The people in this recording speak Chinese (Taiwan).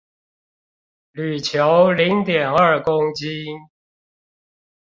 鋁球零點二公斤